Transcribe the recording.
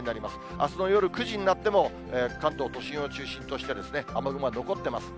あすの夜９時になっても、関東都心を中心として雨雲が残っています。